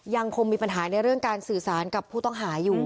ยังคงมีปัญหาในเรื่องการสื่อสารกับผู้ต้องหาอยู่